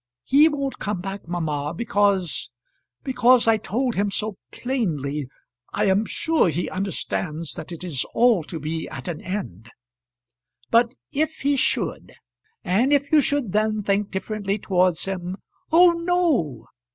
"He won't come back, mamma, because because I told him so plainly I am sure he understands that it is all to be at an end." "But if he should, and if you should then think differently towards him " "Oh, no!"